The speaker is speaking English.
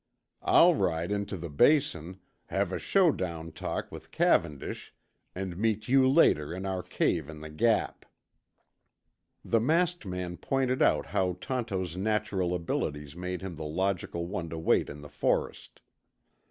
I'll ride into the Basin, have a showdown talk with Cavendish, and meet you later in our cave in the Gap." The masked man pointed out how Tonto's natural abilities made him the logical one to wait in the forest.